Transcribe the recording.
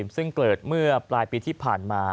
ซึ่งเกิดเมื่อปลายปีที่ผ่านมา